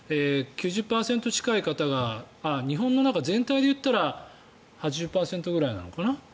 ９０％近い方が日本の中全体で言ったら８０％ぐらいなのかな。